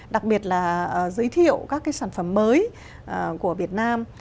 đặc biệt là giới thiệu các cái sản phẩm mới của việt nam